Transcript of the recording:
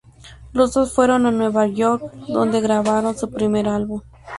Los dos fueron a Nueva York donde grabaron su primer álbum.